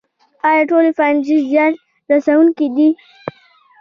ایا ټولې فنجي زیان رسوونکې دي